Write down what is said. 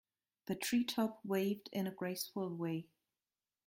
The tree top waved in a graceful way.